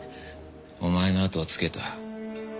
お前のあとをつけた。